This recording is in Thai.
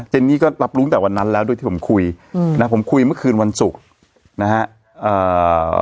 นี่ก็รับรู้แต่วันนั้นแล้วด้วยที่ผมคุยอืมนะผมคุยเมื่อคืนวันศุกร์นะฮะเอ่อ